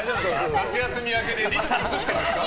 夏休み明けでリズム崩してますか？